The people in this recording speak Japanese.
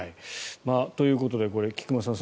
ということで菊間さん